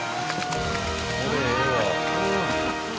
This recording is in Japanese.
これええわ。